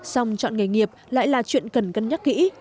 xong chọn nghề nghiệp lại là chuyện cần cân nhắc kỹ